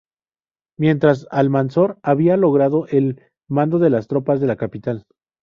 Mientras, Almanzor había logrado el mando de las tropas de la capital.